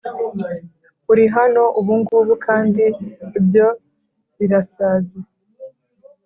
uri hano, ubungubu, kandi ibyo birasaze.